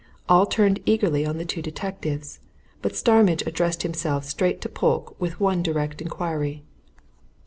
All turned eagerly on the two detectives. But Starmidge addressed himself straight to Polke with one direct inquiry.